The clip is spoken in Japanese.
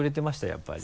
やっぱり。